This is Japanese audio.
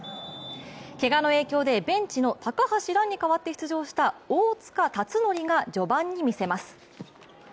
けがの影響でベンチの高橋藍に代わって出場した大塚達宣が序盤に見せます。